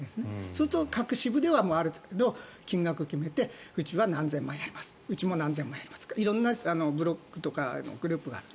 そうすると各支部ではある程度金額を決めてうちは何千万やりますうちは何千万やりますとか色んなブロックとかグループがある。